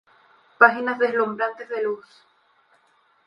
Páginas deslumbrantes de luz.